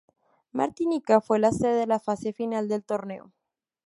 Martinica fue la sede de la fase final del torneo.